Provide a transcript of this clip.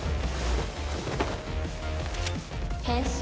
変身。